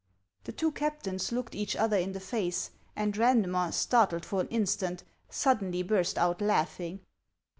The two captains looked each other in the face ; and Randmer, startled for an instant, suddenly burst out laughing.